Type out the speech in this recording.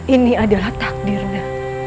ini adalah takdirnya